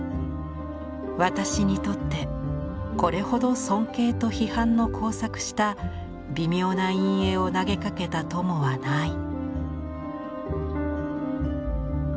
「私にとってこれほど尊敬と批判の交錯した微妙な陰影を投げかけた友はない」。